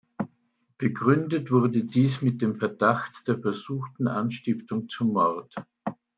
Begründet wurde dies mit dem Verdacht der versuchten Anstiftung zum Mord.